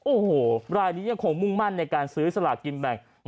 โอ้โหรายนี้ยังคงมุ่งมั่นในการซื้อสลากินแบ่ง